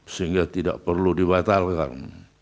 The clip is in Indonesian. sehingga tidak perlu dibatalkan